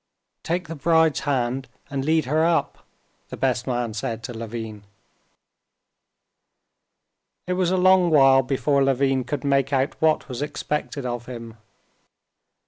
"Take the bride's hand and lead her up," the best man said to Levin. It was a long while before Levin could make out what was expected of him.